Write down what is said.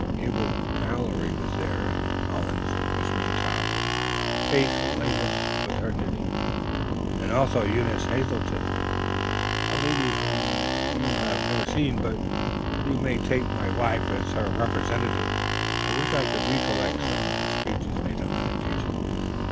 Abel Mallory was there, and Hollins, and Miss Ringtop, and Faith Levis, with her knitting, and also Eunice Hazleton, a lady whom you have never seen, but you may take my wife as her representative.... "I wish I could recollect some of the speeches made on that occasion.